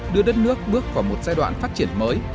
đưa đất nước bước vào một giai đoạn phát triển mới